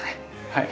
はい。